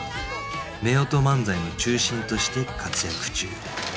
夫婦漫才の中心として活躍中